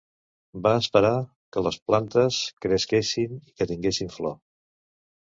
Va esperar que les plantes cresquessin i que tinguessin flor.